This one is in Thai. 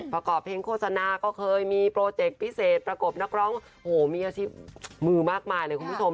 ประกอบเพลงโฆษณาก็เคยมีโปรเจกต์พิเศษประกบนักร้องโอ้โหมีอาชีพมือมากมายเลยคุณผู้ชม